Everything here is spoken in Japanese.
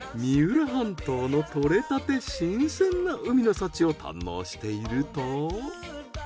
三浦半島の獲れたて新鮮な海の幸を堪能していると。